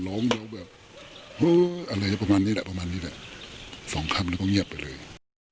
สองคำแล้วก็เงียบไปเลย